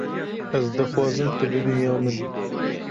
Ez dixwazim tu bibî ya min.